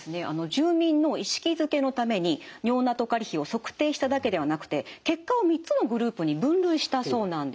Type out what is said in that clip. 住民の意識づけのために尿ナトカリ比を測定しただけではなくて結果を３つのグループに分類したそうなんです。